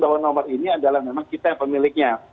bahwa nomor ini adalah memang kita yang pemiliknya